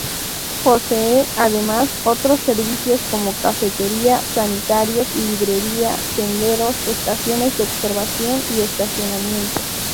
Posee además, otros servicios como cafetería, sanitarios, librería, senderos, estaciones de observación y estacionamiento.